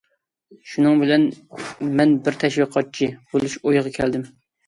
شۇنىڭ بىلەن مەن بىر تەشۋىقاتچى بولۇش ئويىغا كەلدىم.